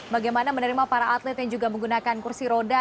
bagaimana menerima para atlet yang juga menggunakan kursi roda